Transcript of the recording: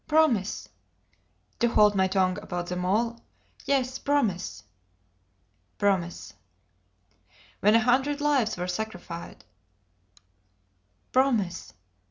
"Promise!" "To hold my tongue about them all?" "Yes promise!" "Promise!" "When a hundred lives were sacrificed " "Promise!"